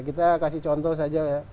kita kasih contoh saja